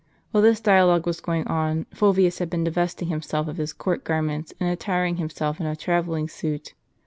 While this dialogue was going on, Fulvius had been divesting himself of his court garments, and attiring himself in a travelling suit.